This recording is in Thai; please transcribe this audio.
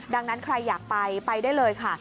ดังนั้นใครอยากไปไปได้เลยค่ะ